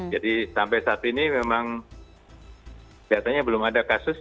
jadi sampai saat ini memang sepertinya belum ada kasus